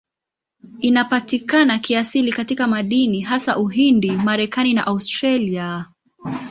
Inapatikana kiasili katika madini, hasa Uhindi, Marekani na Australia.